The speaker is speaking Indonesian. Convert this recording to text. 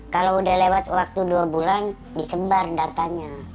kalau udah lewat waktu dua bulan disebar datanya